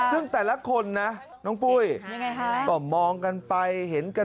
ซึ่งแต่ละคนนะน้องปุ้ยก็มองกันไปเห็นกัน